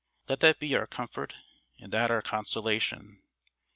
Let that be our comfort and that our consolation.